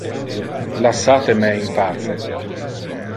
Lassate me in pace!